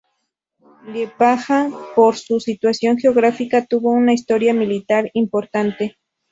Liepāja, por su situación geográfica, tuvo una historia militar importante.